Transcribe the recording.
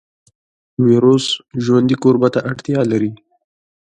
ویروس ژوندي کوربه ته اړتیا لري